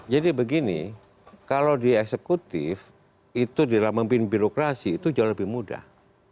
jadi begini kalau di eksekutif itu dalam memimpin birokrasi itu jauh lebih mudah